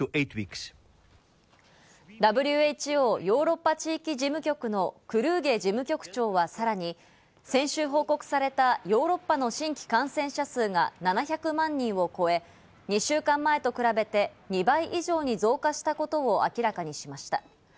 ＷＨＯヨーロッパ地域事務局のクルーゲ事務局長はさらに先週報告されたヨーロッパの新規感染者数が７００万人を超え、１週間前と比べて２倍以上に増加したことを明らかにしました。